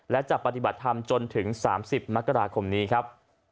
และจะปฏิบัติธรรมจนถึง๓๐มกราคมนี้ครับ